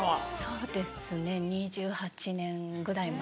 そうですね２８年ぐらい前。